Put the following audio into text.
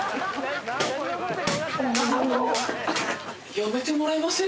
やめてもらえません？